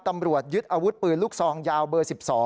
ตำรวจยึดอาวุธปืนลูกซองยาวเบอร์๑๒